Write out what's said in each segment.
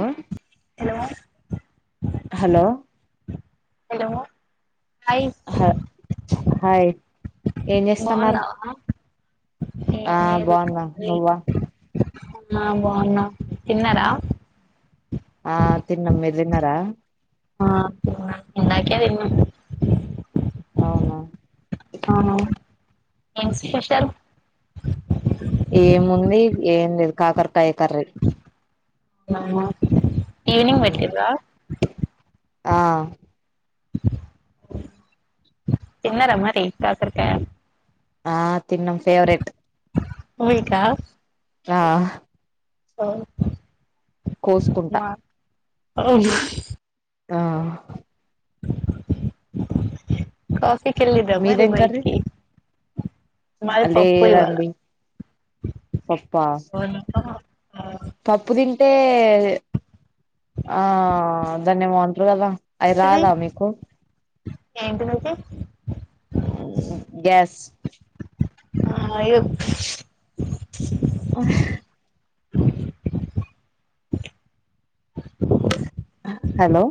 ఆ ఆ hello hi హ హాయ్ ఏం చేస్తున్నారు బాగున్నావా ఆ ఏం లేదు బాగున్నా ఖాళీ నువ్ ఆ బాగున్నా తిన్నారా ఆ తిన్నమ్ మీరు దిన్నారా ఆ ఇందాకే తిన్నం అవునా ఆ ఏం స్పెషల్ ఏముంది ఏం లేదు కాకరకాయ కర్రీ ఈవనింగ్ ఉమ్, పెట్టిండ్రా ఆ తిన్నారా మరి కాకరకాయ ఆ తిన్నం ఫేవరెట్ మౌనికా ఆ అఓ కోసుకుంటా అవును ఆ కాఫీకిెళ్ళదమ్రి మీదేం కర్రీ బయటికి మాది పప్పు ఇవాళ లేదండి పప్పా అవునా ఆ పప్పుదీం తింటే ఆ దాన్నేమోంటారు కదా అవి రాదా మీకు ఇంటిదాది గ్యాస్ ఆ ఇద అ హలో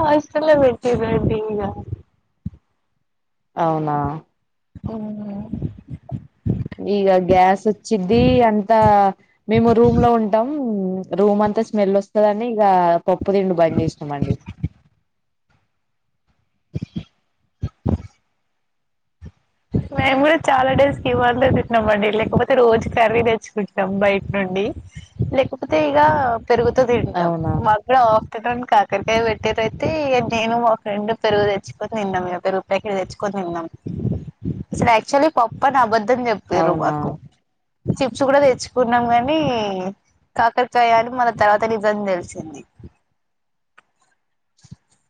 హస్టలో పెట్టినారు ఇగ అవునా ఓ ఇక గ్యాస్ వచ్చిది అంతా మేము రూమ్ లో ఉంటాం రూమ్ అంతా స్మెల్ వస్తుందని ఇక పప్పు తినుడు బంద్ చేస్తాంమండి మేము కూడా చాలా డేస్ కీమాన్ తింటన్నాంమండి లేకపోతే రోజు కర్రీ తెచ్చుకుంటున్నాం బయట నుండి లేకపోతే ఇక పెరుగుత తింటాం అవునా మా అక్కడ కాకరకాయ పెట్టేది అతే నేను మా ఫ్రెండ్ పెరుగు తెచ్చుకో నిన్న మీ పెరుగు ప్యాకెట్ తెచ్చుకో న్నాం అసలు యాక్చువల్లీ పాప్పని అబద్ద్దం చెప్పారు అవునా మాకు చిప్స్ కూడా తెచ్చుకున్నాం కానీ కాకరకాయ అని మన తర్వాత నిజం తెలిసింది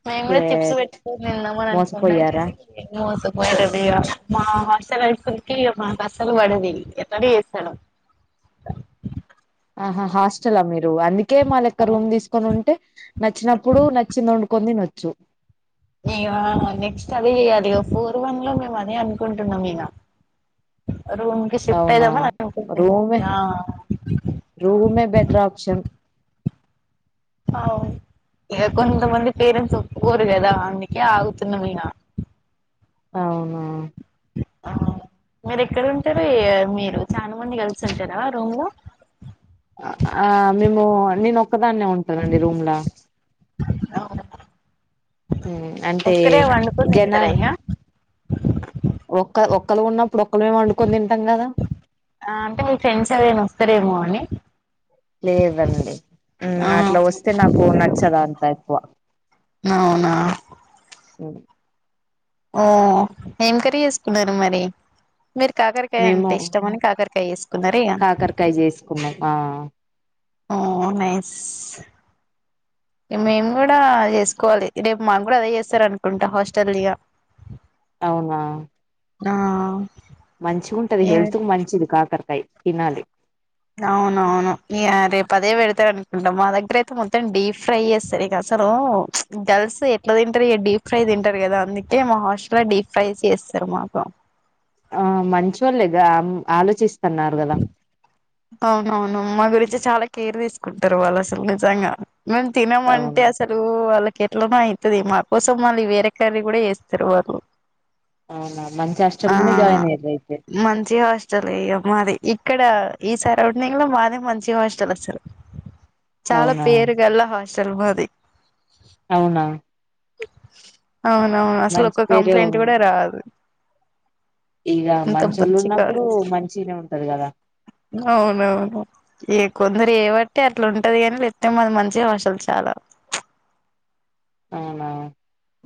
మేము కూడా చిప్స్ షేట్ పెట్ తిన్నాం అని అనుకున్నాం మోసపోయారా మోస వడది మా హసాల అయిపుకి మా బస్సలు పడది ఎట్డ చేస్తాడు ఆహా హాస్టెల్ అ మీరు అందుకే మళ్ళ ెక్క రూమ్ తీసుకొని ఉంటే నచ్చినప్పుడు నచ్చింది వండుకొంది నొచ్చు ఇ నెక్స్ట్ అదే చెయాలి ఫోర్ వన్ లో మేము అదే అనుకుంటున్నాం ఈన రూమ్ ిఫ్ట్ అవునా అయిదామ్మా రూమే రూమే బెటర్ ఆప్షన్ అవు ఇక కొంతమంది పేరెంట్స్ ఒప్పుకోరు కదా అందుకే ఆగుతున్న మీద అవునా అ మీరు ఎక్కడ ఉంటారు మీరు చాలా మంది కలిసి ఉంటారా రూమ్ లో ఆ మేము నేను ఒక్కదాన్నే ఉంటానండి రూమ్లా మ్మ్ అంటే ఒక్కరే వండుకొని గణ తింటారా ఇగ ఇప్పుడు ఒకలే వండుకొని తింటాం కదా ఆ అంటే మీ ఫ్రెండ్స్ ఎవరైనా వస్తారేమో అని లేదండి ఆ అట్లా వస్తే నాకు నచ్చదు అంత ఎక్కువ అవునా మ్మ్ ఓ ఏం కర్రీ చేసుకున్నారు మరి మీరు కాకరకాయ మేము అంటే ఇష్టమనికాకరకా కాకరకాయ చూసుకున్నావా హా అవునే మేము కూడా చేసుకోవాలి రేపు మాకు కూడా అదే చేస్తారు అనుకుంటా హాస్టల్ ఇగా అవునా ఆ మంచిగుంటది ఏ హేళ్తూ మంచిది కాకరకాయ తినాలి అవున అవును ఇగా రేపు అదే పెడతారు అనుకుంటా మా దగ్గర అయితే మొత్తం డీప్ ఫ్రై చేస్తారు ఇగా సా లో గర్ల్స్ ఎట్లా తింటారు డీప్ ఫ్రై తింటారు కదా అందుకే మా హాస్టల్ లో డీప్ ఫ్రై చేస్త సరే మాకు ఆ మంచోళ్లే గా ఆలోచిస్తున్నారు కదా అవునవును మా గురించి చాలా కేర్ తీసుకుంటారు వాళ్ళు అసలు నిజంగా మేము తినమంటే అవునా అసలు వాళ్ళ ఎట్లనో అయితది మా కోసం మళ్ళీ వేరే కర్రీ కూడా చేస్తారు వాళ్ళు అవునా మంచి హ హాస్టల్లోనే జాయిన్ అయ్యిర్రు అయితే మంచి హాస్టల్ లే ఇగా మాది ఇ ఇక్కడ ఈ సరౌండింగ్ లో మాదే మంచి హాస్టల్ అసలు చాలా అవునా పేరు గల్లా హాస్టల్ మాది అవునా అవునవును అసలు మంచి ఒక కంప్లైంట్ కూడా రాదు ఇక అంత మంచిోళ్ళు మంచి ఉన్నప్పుడు కాలేజ్ మంచినే ఉంటది కదా అవునవును ఏ కొంద ేబట్టి అట్లా ఉంటది కాని లేకపోతే మాది మంచి హాస్టల్ చాలా అవునా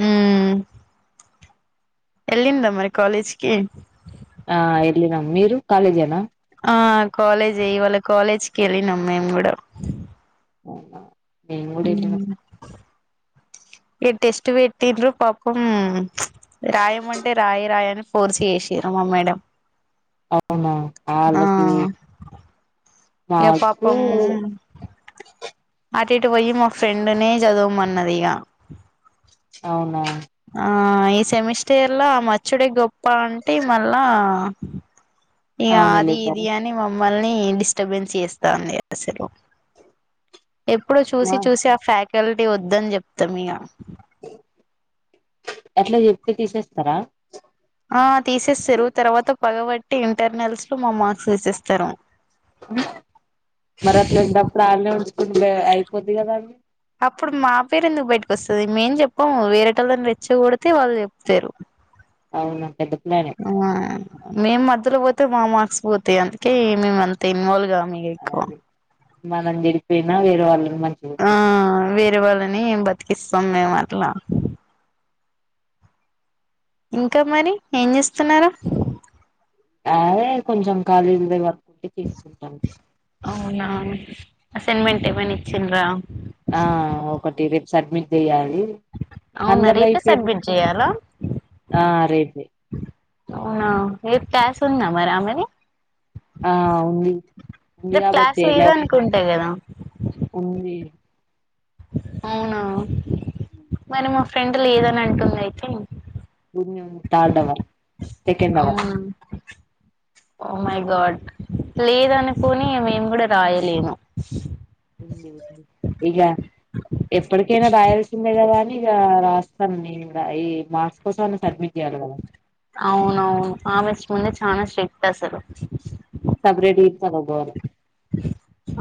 ఉమ్మ్ వెళ్ళిందా మరి కాలేజీకి ఆ ఎల్లిందండి మీరు కాలేజ్ ఏనా ఆ కాలేజే ఇవాళ కాలేజ్ కి వెళ్లినం మేము కూడా అవునా మేము కూడా హ వెళ్ళినాం ఇ టెస్ట్ పెట్టిన్రు పాపం రాయం అంటే రాయి రాయ అని ఫర్స్ చేసిరు మా మేడం అవునా ఆ మిస్కి ఇగ నాకు పాపం అటు ఇటు పోయి మా ఫ్రెండ్నే చదవమన్నదిగా అవునా ఆ ఈ సెమిస్టయర్ లా అమ్మే మచ్చడే గొప్ప అంటే మళ్ళా ఇగా అది అవునులే ఇది గాని అన్ని పం మమల్ని డిస్టర్బెన్స్ చేస్తాంది అసలు ఎప్పుడు మా చూసి చూసి ఆ ఫ్యాకల్టీ వద్దని చెప్ తం ఇగా అట్లా చెప్తే తీసేస్తారా ఆ తీసేస్తారు తర్వాత పగబట్టి ఇంటర్నల్స్ లో మా మార్క్స్ తీసేస్తారు మరి అట్లాంటప్పుడు ఆళ్ళనే ఉంచుకుంటే అయిపోది కదా అండి అప్పుడు మా పేరు ఎందుకు బయటకు వస్తుంది మేం ఎం చెప్పాము వేరే టోలని రెచ్చగొడితే వాళ్ళు చెప్తారు అవునా పెద్ ఆ మేమ్ మధ్యలో పోతే మా మార్క్స్ పోతాయ్ అందుకే మేము అంత ఇన్వాల్వ్ గామ్ మీకు ఎక్కువ అది మనం చెడిపోయినా వేరే వాళ్ళు ఆ వేరే వాళ్ళని బతికిస్తాం మేము అట్ల ఇంకా మరి ఏం చేస్తున్నారు అదే కొంచెం కాలీల్లేవా అవునా అసైన్మెంట్ ఏమైనా ఇచ్చిన్రా ఆ ఒకటి రేపు సబ్మిట్ చెయ్యాలి అవునా రేపే అందరిదయిపోయింది సబ్మిట్ చేయాలా ఆ రే అవునా రేప్ ట్యేస్ ఉంద మరి ఆమెని ఆ ఉంది ఉంది క్లాస్ కాబట్టే లేప్ లేదనుకుంటా కదా ఉంది అవునా మరి మా ఫ్రెండ్లు లేదని అంటుంది అయితే థర్డ్ అవర్ సెకండ్ అవర్ అవునా ఓ మై గాడ్ లేదనుకొని మేము గూడా రాయలేను ఇగ ఎప్పటికైనా రాయాల్సిందే కదా అని ఇగ రా ఇస్తాను అండి ఈ మార్స్ కోసం సబ్మిట్ చేయాలి కదా అవునవును ఆమె ముందే చనా స్ట్రిక్ట్ అస్సలు సపరేట్ గా చదువుకోవాలి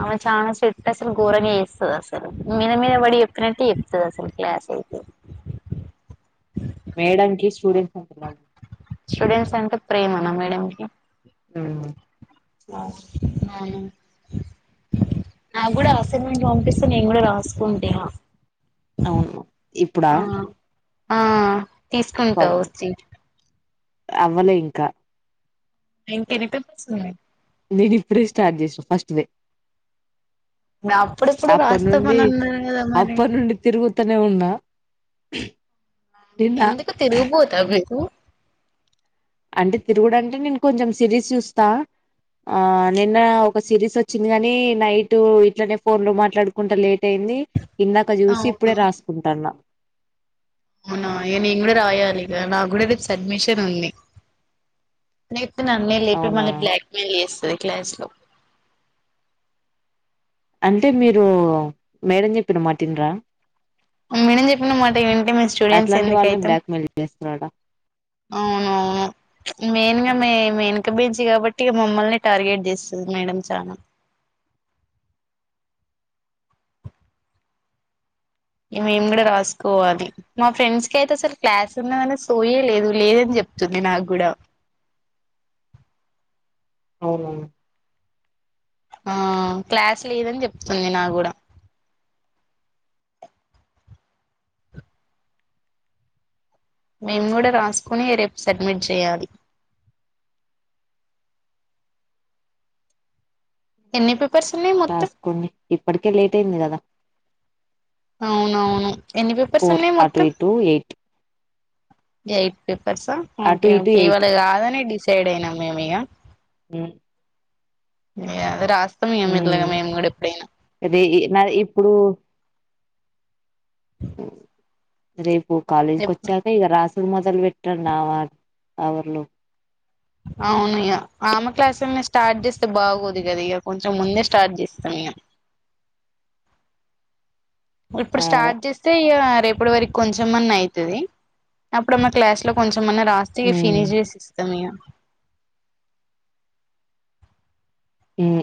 ఆమె చానా స్ట్రిక్ అసలు ఘోరంగా ఎస్తది అసలు మీద మీద పడి చెప్తునట్టె చెప్పు సరే అసలు క్లాస్ అయితే మేడం కి స్టూడెంట్స్ అంటున్నావ్ స్టూడెంట్స్ అంటే ప్రేమ నా మేడం కి హ్మ్ లాస్ట్ మేడం నాక్ గూడా అసైన్మెంట్ పంపిస్తే నేను గూడా రాస్కుంటేనా అవును ఇప్పుడా ఆ తీస్కుంటా పాపం వచ్చి అవ్వలే ఇంకా ఇంక ఎన్ని పేపర్సున్నాయి నేను ఇప్పుడే స్టార్ట్ జేసా ఫస్ట్ ది అప్పుడెప్పుడు అప్ప నుండి రాస్తామని అన్నారు కదా మరి అప్ప నుండి తిరుగుతనే ఉన్నా నిన్న ఎందుకు తిరుగుబోతా మీకు అంటే తిరుగుడు అంటే నేను కొంచెం సిరీస్ చూస్తా ఆ నిన్న ఒక సిరీస్ వచ్చింది గాని నైట్ ఇట్లనే ఫోన్ లో మాట్లాడుకుంట లేట్ అయి ఇది ఇందాక చూసి అవును ఇప్పుడే రాసుకుంటాన్న అవునా ఇగ నేను కూడా రాయాలి ఇగ నా కూడా రేప్ సబ్మిషన్ ఉంది నన్నే లేపి అవునా మనకి బ్లాక్ మెయిల్ చేస్తది క్లాస్ లో అంటే మీరు మేడం చెప్పిన మాట్ఇనరా మేడం చెప్పినమాట ఇంటే మేమ్ స్టూడెంట్స్ అట్లాంటి వాళ్ళని ఎందుకైతం బ్లాక్ మెయిల్ చేస్తున్నాడా అవునువును మెయిన్గా మే మెయిన్ క్క బెంచి కాబట్టి మమ్మల్ని టార్గెట్ చేస్తుంది మేడం చానా ఇగ మేము కూడా రాస్కోవాలి మా ఫ్రెండ్స్ కైతే అసలు క్లాస్ ఉన్నదనే సోయె లేదు లేదని చెప్ వత్తుంది నాకు గూడా అవునా ఆ క్లాస్ లేదని చెప్తుంది నా గూడా మేము గూడా రాస్కుని రేపు సడ్మిట్ చేయాలి ఎన్ని ఫిప్ రాస్కోండి ఇప్పటికే లేట్ అయింది కదా అవునవును ఎన్ని పేపర్స్ ఫోర్ ఉన్నాయి అటు మొత్తం ఇటు ఎయిట్ ఎయిట్ పేపర్సా అటు ఓకే ఇటు ఓకే ఎయిట్ ఇవాళ గాదని డిసైడ్ అయినాం మేము ఇగ హ్మ్ ఏంది రా హ్మ్ ఇది నా ఇప్పుడు రేపు కాలేజీకి ఎప్పుడు వచ్చాక ఇక రాసి ఇపుడు మొదలు పెట్టండివా కబుర్లు అవునిగ ఆమె క్లాసుల్ని స్టార్ట్ చేస్తే బాగోదు కదా ఇగ కొంచెం ముందే స్టార్ట్ చేస్తాం ఇక ఇప్పుడు ఆ అదే స్టార్ట్ జేస్తే ఇగ రేపటి వరకు కొంచెం అన్నా అయితది. అప్పుడు మా క్లాస్ లో కొంచెం ఏమన్నా రాస్తే ఉమ్ ఫినిష్ చేసి ఇస్తాం ఇగ హ్మ్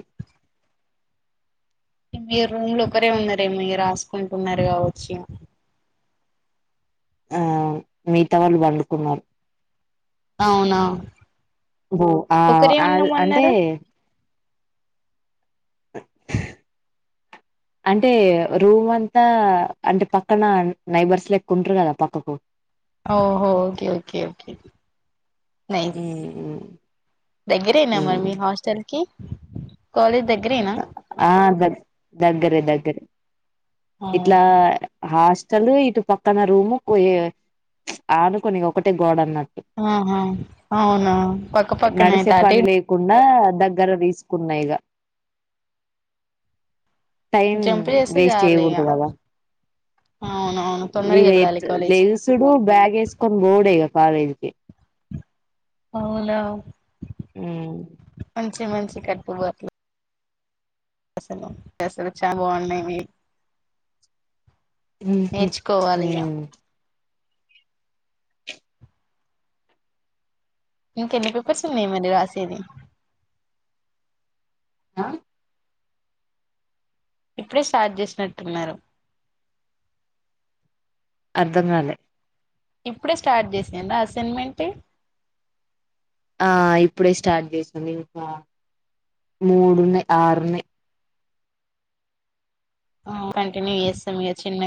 మీరు రూమ్ లో ఒకరే ఉన్నారేమో మీరు రాసుకుంటున్నారు గావచ్చు ఏమో ఆ మిగతా వాళ్ళు పండుకున్నారు అవునా ఓ ఆ ఒకరే ఆళ్ అంటే ఉన్నామన్నారు అంటే రూమ్ అంతా అంటే పక్కన నైబర్స్ లెక్క ఉంట్రు కదా పక్కకు ఓహో ఓకే ఓకే ఓకే నైస్ ఉమ్ దగ్గరేనా మరి మీ హాస్టల్ కి కాలేజ్ దగ్ ఆ దగ్ దగ్గరే దగ్గరే ఆహా ఇట్లా హాస్ చందు ఇటు పక్కన రూమ్ కి పోయిఆను కొని ఒకటే గోడ అన్నట్ ఆహా అవునా పక్క పక్కనయితాటే బా దగ్గర తీసుకున్నా యిగ టైం జంప్ చేస్తే వేస్ట్ చాలు ఇగ చేయకూడదుకదా అవునవును తొందరగా ఇగ వెళ్ళాలి ఎత్ కాలేజ్ కి లెగుసుడు బ్యాగ్ వేస్కొని పోవుడేగా కాలేజ్కి అవునా హ్మ్ మంచి మంచి కట్టుబాట్లు అసలు అసలు చాలా బావున్నాయి మీవి నేర్చుకోవాలిగ ఉమ్ ఇంక ఎన్ని పేపర్స్ ఉన్నాయి మరి రాసేది ఆ ఇప్పుడే స్టార్ట్ చేసినట్టున్నారు అర్ధంగాలే ఇప్పుడే స్టార్ట్ చేసిందా అసైన్మెంట్ ఆ ఇప్పుడే స్టార్ట్ చేసింది ఇంకా మూడున్నయ్ ఆరున్నయ్ ఆ కంటిన్యూ చేస్తాం మీ చిన్నగా